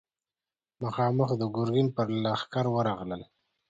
مخامخ د ګرګين پر لښکر ورغلل.